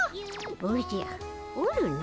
おじゃおるの。